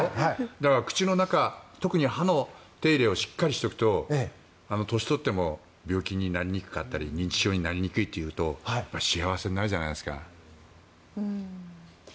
だから、口の中特に歯の手入れをしっかりしておくと年を取っても病気になりにくかったり認知症になりにくいというとやっぱり幸せになるじゃないですか。